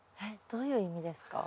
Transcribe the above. どういう意味ですか？